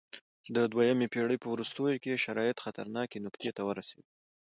د دویمې پېړۍ په وروستیو کې شرایط خطرناکې نقطې ته ورسېدل